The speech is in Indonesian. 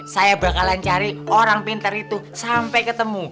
saya bakalan cari orang pintar itu sampai ketemu